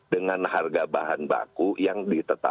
dengan harga bahan baku yang ditetapkan